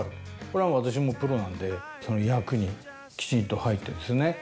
これは私もプロなんで役にきちんと入ってですね